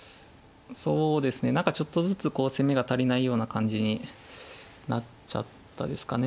そうですね何かちょっとずつ攻めが足りないような感じになっちゃったですかね。